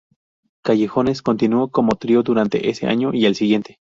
Callejones continuó como trío durante ese año y el siguiente.